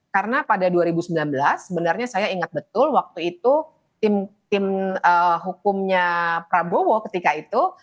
karena pada dua ribu sembilan belas sebenarnya saya ingat betul waktu itu tim hukumnya prabowo ketika itu